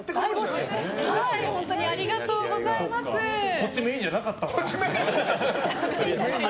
こっちメインじゃなかったんだね。